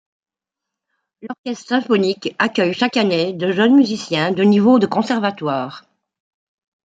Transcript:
L’orchestre symphonique accueille chaque année de jeunes musiciens de niveau de conservatoire.